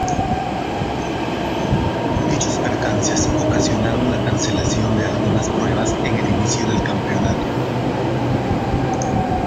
Dichos percances ocasionaron la cancelación de algunas pruebas en el inicio del campeonato.